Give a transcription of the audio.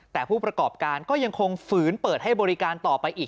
แต่ผู้ประกอบการก็ยังคงฝืนเปิดให้บริการต่อไปอีก